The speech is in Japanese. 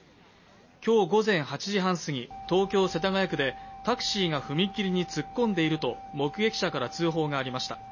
今日午前８時半すぎ、東京・世田谷区でタクシーが踏み切りに突っ込んでいると目撃者から通報がありました。